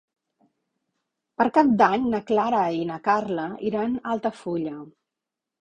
Per Cap d'Any na Clara i na Carla iran a Altafulla.